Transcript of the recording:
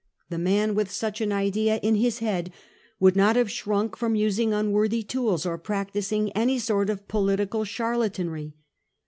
The man with such an idea in his head would not have shrunk from using unworthy tools or practising any sort of political charlatanry.